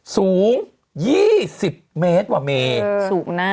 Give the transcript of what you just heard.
สูง๒๐เมตรว่ะเมสูงนะ